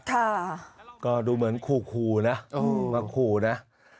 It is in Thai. ค่ะก็ดูเหมือนขู่นะมาขู่นะ